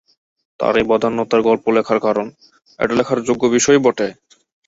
তাঁর এই বদান্যতার গল্প লেখার কারণ এটা লেখার যোগ্য বিষয়ই বটে।